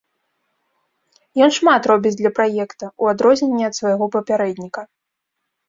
Ён шмат робіць для праекта, у адрозненне ад свайго папярэдніка.